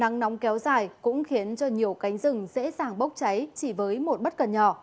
nắng nóng kéo dài cũng khiến cho nhiều cánh rừng dễ dàng bốc cháy chỉ với một bất cần nhỏ